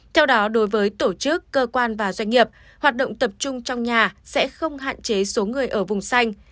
theo đó đối với tổ chức cơ quan và doanh nghiệp hoạt động tập trung trong nhà sẽ không hạn chế số người ở vùng xanh